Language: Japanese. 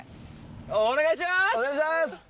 お願いします！